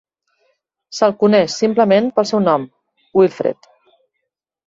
Se'l coneix simplement pel seu nom, Wilfred.